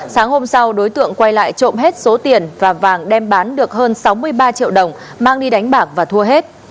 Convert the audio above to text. sáng hôm sau đối tượng quay lại trộm hết số tiền và vàng đem bán được hơn sáu mươi ba triệu đồng mang đi đánh bạc và thua hết